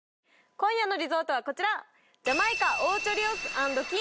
今夜のリゾートはこちら！